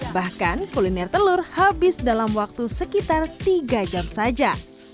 bahkan kuliner telur habis dalam waktu sekitar tiga jam saja